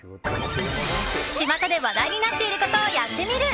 巷で話題になっていることをやってみる。